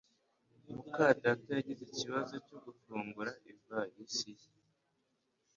muka data yagize ikibazo cyo gufungura ivalisi ye